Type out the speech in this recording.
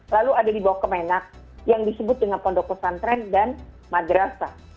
lalu ada di bawah kemenak yang disebut dengan pondok pesantren dan madrasah